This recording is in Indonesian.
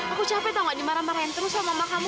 aku capek tau gak dimarah marahin terus sama makanmu